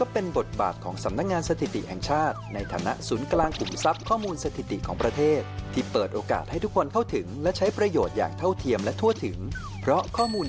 ภายใต้คุณภาพมาตรฐานเดียวกันค่ะ